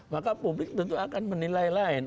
maka publik tentu akan menilai lain